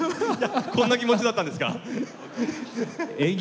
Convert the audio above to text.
こんな気持ちだったんですか？